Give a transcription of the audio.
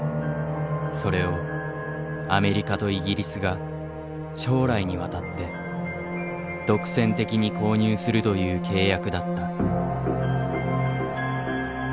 それをアメリカとイギリスが将来にわたって独占的に購入するという契約だった。